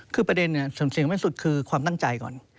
คือประเด็นสิ่งที่สุดคือความตั้งใจก่อน